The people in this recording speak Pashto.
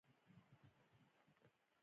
• ځینې خلک د واورې موسم نه خوښوي.